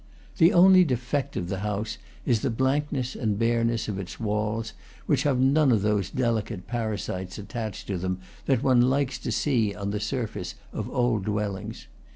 The only defect of the house is the blankness and bareness of its walls, which have none of those delicate parasites attached to them that one likes to see on the surface of old dwellings.